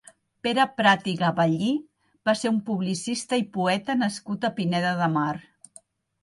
Pere Prat i Gaballí va ser un publicista i poeta nascut a Pineda de Mar.